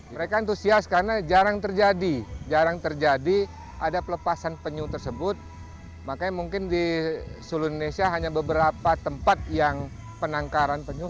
mereka antusias karena jarang terjadi jarang terjadi ada pelepasan penyu tersebut makanya mungkin di seluruh indonesia hanya beberapa tempat yang penangkaran penyu